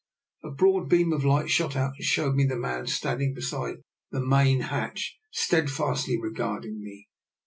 A broad beam of light shot out and showed me the man standing beside the main hatch steadfastly regarding me.